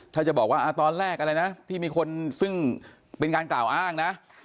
ถ้าจะบอกว่าตอนแรกอะไรนะที่มีคนซึ่งเป็นการกล่าวอ้างนะ